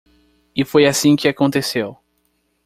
E foi assim que aconteceu.